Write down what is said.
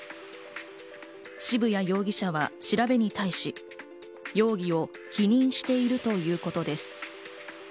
渋谷容疑者は調べに対し、容疑を否認しているということです。